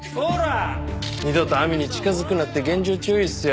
二度と亜美に近づくなって厳重注意っすよ。